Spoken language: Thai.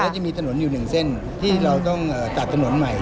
จะมีถนนอยู่หนึ่งเส้นที่เราต้องตัดถนนใหม่